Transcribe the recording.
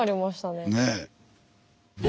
ねえ。